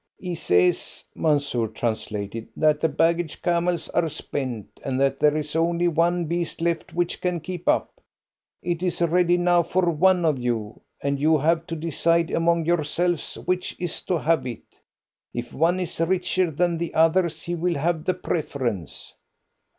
"He says," Mansoor translated, "that the baggage camels are spent, and that there is only one beast left which can keep up. It is ready now for one of you, and you have to decide among yourselves which is to have it. If one is richer than the others, he will have the preference."